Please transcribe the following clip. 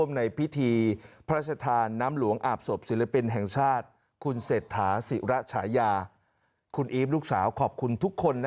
ยี่สิบแขนจะสวมสอด